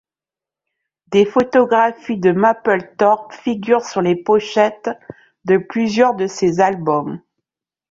Des photographies de Mapplethorpe figurent sur les pochettes de plusieurs de ses albums.